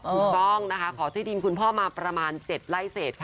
ถูกต้องนะคะขอที่ดินคุณพ่อมาประมาณ๗ไร่เศษค่ะ